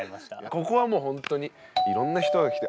ここはもうほんとにいろんな人が来て。